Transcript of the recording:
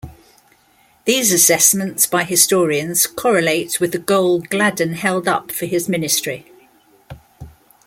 These assessments by historians correlate with the goal Gladden held up for his ministry.